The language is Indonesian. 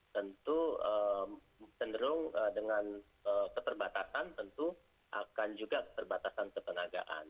tentu cenderung dengan keterbatasan tentu akan juga keterbatasan ketenagaan